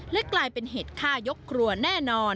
และกลายเป็นเหตุฆ่ายกครัวแน่นอน